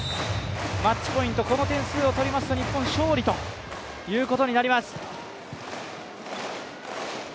マッチポイント、この点数を取りますと日本勝利となります。